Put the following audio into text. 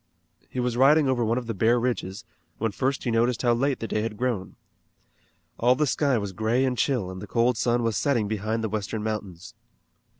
He was riding over one of the bare ridges, when first he noticed how late the day had grown. All the sky was gray and chill and the cold sun was setting behind the western mountains.